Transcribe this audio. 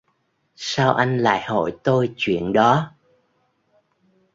Sao anh lại hỏi tôi, chuyện đó